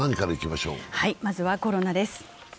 まずはコロナです。